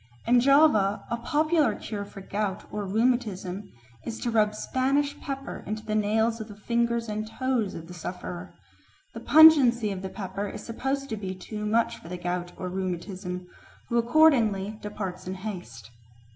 In Java a popular cure for gout or rheumatism is to rub Spanish pepper into the nails of the fingers and toes of the sufferer; the pungency of the pepper is supposed to be too much for the gout or rheumatism, who accordingly departs in haste.